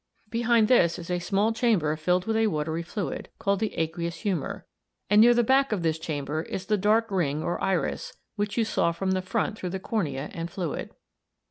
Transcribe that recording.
Behind this is a small chamber filled with a watery fluid a, called the aqueous humour, and near the back of this chamber is the dark ring or iris i, which you saw from the front through the cornea and fluid.